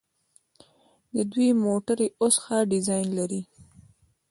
د دوی موټرې اوس ښه ډیزاین لري.